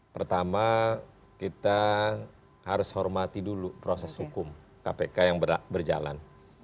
pertama kita harus hormati dulu proses hukum kpk yang berjalan